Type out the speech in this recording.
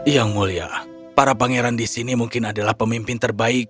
yang mulia para pangeran di sini mungkin adalah pemimpin terbaik